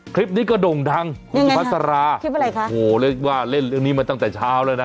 คลิปนี้ก็โด่งดังคุณสุภาษาคลิปอะไรคะโอ้โหเรียกว่าเล่นเรื่องนี้มาตั้งแต่เช้าแล้วนะ